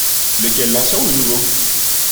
Lequel ? l’ancien ou le nouveau ?